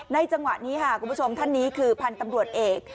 จังหวะนี้ค่ะคุณผู้ชมท่านนี้คือพันธุ์ตำรวจเอก